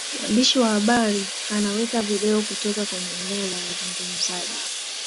mwandishi wa habari anaweka video kutoka kwenye eneo la wazungumzaji